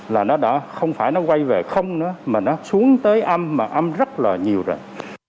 là nó không phải nó quay về không nữa mà nó xuống tới âm mà âm rất là nhiều rồi